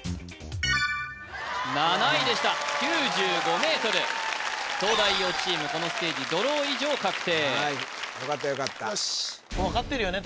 ７位でした９５ｍ東大王チームこのステージドロー以上確定よかったよかったよし分かってるよね？